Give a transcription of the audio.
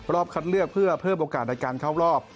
คัดเลือกเพื่อเพิ่มโอกาสในการเข้ารอบ